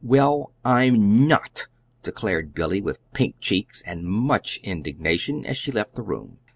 "Well, I'm not!" declared Billy with pink cheeks and much indignation, as she left the room.